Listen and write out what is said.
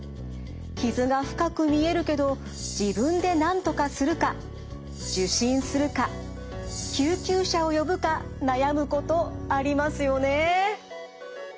傷が深く見えるけど自分でなんとかするか受診するか救急車を呼ぶか悩むことありますよね。